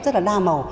rất là đa màu